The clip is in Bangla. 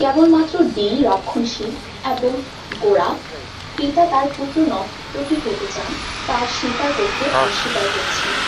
কেবলমাত্র ডি রক্ষণশীল এবং গোঁড়া পিতা তার পুত্র নর্তকী হতে চান তা স্বীকার করতে অস্বীকার করেছিলেন।